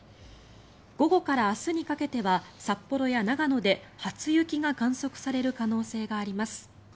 午後から明日にかけては札幌や長野で初雪が観測される可能性があります。